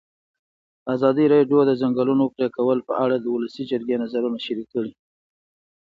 ازادي راډیو د د ځنګلونو پرېکول په اړه د ولسي جرګې نظرونه شریک کړي.